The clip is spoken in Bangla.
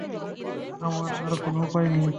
আমার আর কোনও উপায় নেই।